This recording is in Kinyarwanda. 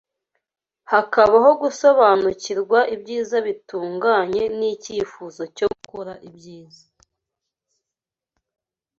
hakabamo gusobanukirwa ibyiza bitunganye n’icyifuzo cyo gukora ibyiza